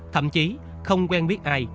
thậm chí không quen biết ai